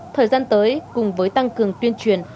thời gian tới cùng với tăng cường tuyên truyền